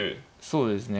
そうですね。